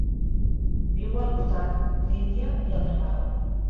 Viu al Bhutan, l'Índia i el Nepal.